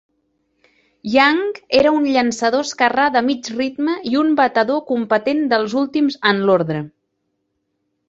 Young era un llançador esquerrà de mig ritme i un batedor competent dels últims en l'ordre.